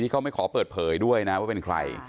เขาไม่ขอเปิดเผยด้วยนะว่าเป็นใคร